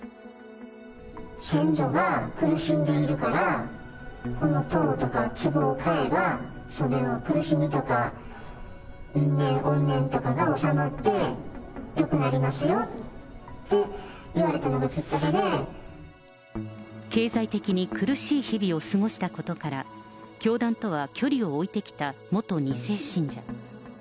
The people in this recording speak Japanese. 先祖が苦しんでいるから、この塔とか、つぼを買えば、それを苦しみとか怨念とかが収まって、よくなりますよって言われ経済的に苦しい日々を過ごしたことから、教団とは距離を置いてきた元２世信者。